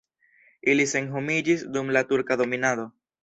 Ili senhomiĝis dum la turka dominado.